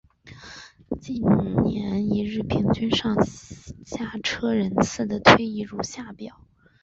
近年一日平均上下车人次的推移如下表。